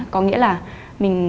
có nghĩa là mình không